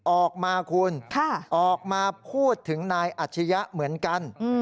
ออกมาคุณออกมาพูดถึงนายอัชริยะเหมือนกัน